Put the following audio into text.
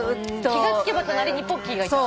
気が付けば隣にポッキーがいた。